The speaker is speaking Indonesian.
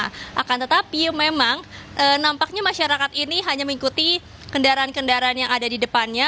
nah akan tetapi memang nampaknya masyarakat ini hanya mengikuti kendaraan kendaraan yang ada di depannya